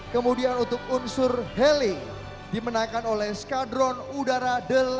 kemudian untuk unsur heli dimenangkan oleh skadron udara delapan